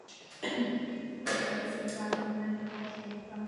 V této oblasti musí jednat Italové.